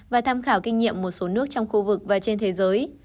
và tham khảo kinh nghiệm một số nước trong khu vực và trên thế giới